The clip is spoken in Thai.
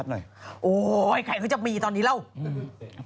โดยใครเขาจะมีตอนนี้แล้ว